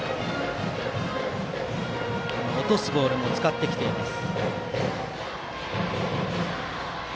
落とすボールも使っています。